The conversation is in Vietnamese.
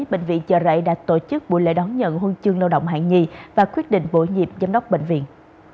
bệnh viện chợ rẫy đã tổ chức buổi lễ đón nhận huân chương lao động hạng nhì và quyết định bổ nhiệm giám đốc bệnh viện